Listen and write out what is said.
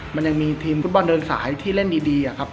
มันยังมีทีมฟุตบอลเดินสายที่เล่นดีอะครับ